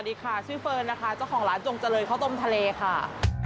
สวัสดีค่ะชื่อเฟิร์นนะคะเจ้าของร้านจงเจริญข้าวต้มทะเลค่ะ